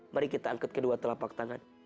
mari kita angkat kedua telapak tangan